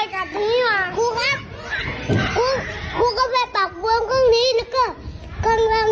คุณไปตักบ้วงรุ่งมุมเหม็นคุรดิง